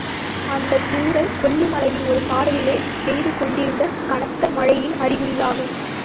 அந்தத் தூறல் கொல்லிமலையின் ஒரு சாரலிலே பெய்துகொண்டிருந்த கனத்த மழையின் அறிகுறியாகும்.